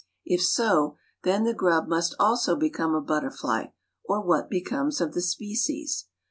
If so, then the grub must also become a butterfly, or what becomes of the species?